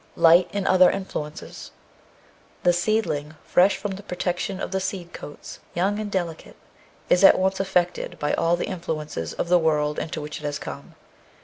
Light and other Influences The seedling, fresh from the protection of the seed coats, young and delicate, is at once affected by all the influences of the world into which it has come.